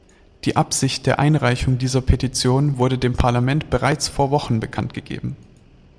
Die Absicht der Einreichung dieser Petition wurde dem Parlament bereits vor Wochen bekanntgegeben.